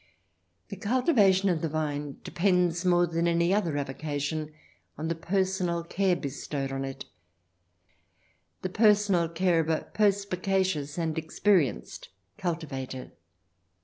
The cultivation of the vine depends more than any other avocation on the personal care bestowed on it — the personal care of a perspicacious and experi enced cultivator.